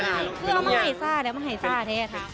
เอาให้สร้างนะให้สร้างเท่าไหร่ครับ